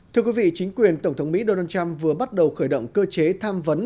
thưa quý vị chính quyền tổng thống mỹ donald trump vừa bắt đầu khởi động cơ chế tham vấn